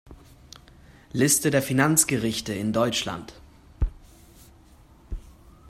Liste der Finanzgerichte in Deutschland